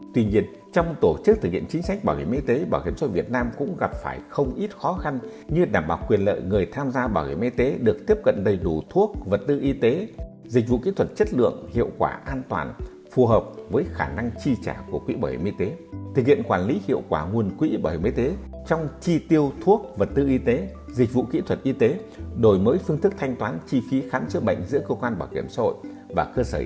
tuy nhiên trong tổ chức thực hiện chính sách bảo hiểm y tế bảo hiểm xã hội việt nam cũng gặp phải không ít khó khăn như đảm bảo quyền lợi người tham gia bảo hiểm y tế được tiếp cận đầy đủ thuốc vật tư y tế dịch vụ kỹ thuật chất lượng hiệu quả an toàn phù hợp với khả năng chi trả của quỹ bảo hiểm y tế thực hiện quản lý hiệu quả nguồn quỹ bảo hiểm y tế trong chi tiêu thuốc vật tư y tế dịch vụ kỹ thuật y tế đổi mới phương thức thanh toán chi phí kháng chữa bệnh giữa cơ quan bảo hiểm xã hội và cơ sở